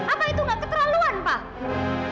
apa itu nggak keterlaluan pak